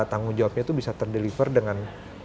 tapi tanggung jawabnya tuh bisa terdeliver dengan